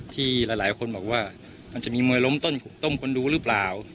ที่หลายคนบอกว่ามันจะมีมวยล้มต้นต้มคนดูหรือเปล่า